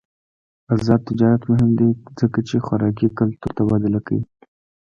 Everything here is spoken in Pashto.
آزاد تجارت مهم دی ځکه چې خوراکي کلتور تبادله کوي.